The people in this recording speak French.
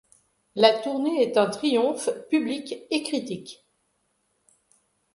La tournée est un triomphe public et critique.